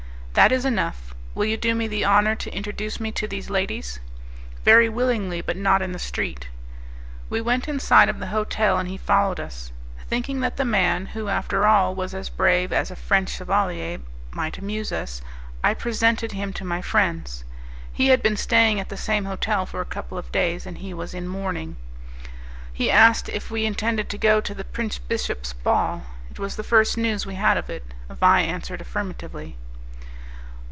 "That is enough. Will you do me the honour to introduce me to these ladies?" "Very willingly, but not in the street." We went inside of the hotel and he followed us. Thinking that the man, who after all was as brave as a French chevalier, might amuse us, I presented him to my friends. He had been staying at the same hotel for a couple of days, and he was in mourning. He asked us if we intended to go to the prince bishop's ball; it was the first news we had of it. Vais answered affirmatively.